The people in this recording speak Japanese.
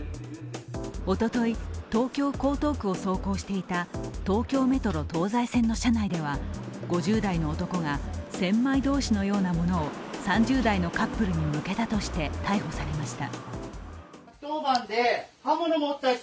おととい、東京・江東区を走行していた東京メトロ東西線の車内では５０代の男が千枚通しのようなものを３０代のカップルに向けたとして逮捕されました。